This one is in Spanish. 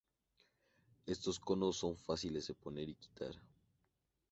Estos conos son fáciles de poner y quitar.